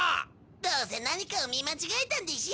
どうせ何かを見間違えたんでしょ。